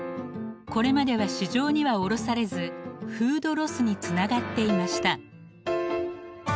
これまでは市場には卸されずフードロスにつながっていました。